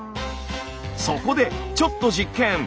そこでちょっと実験。